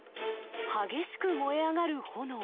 激しく燃え上がる炎。